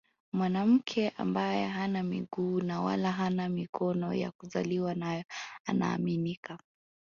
Mwanamke ambaye hana miguu na wala hana mikono ya kuzaliwa nayo anaaminika